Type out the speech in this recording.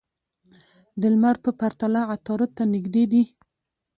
د لمر په پرتله عطارد ته نژدې دي.